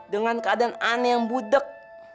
dengan keadaan aneh yang budeg